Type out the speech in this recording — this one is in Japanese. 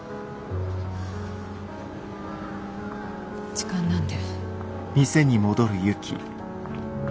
時間なんで。